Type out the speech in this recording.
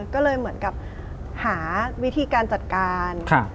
ก็เลยเหมือนกับหาวิธีการจัดการ